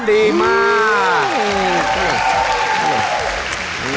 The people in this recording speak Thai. ดีมาก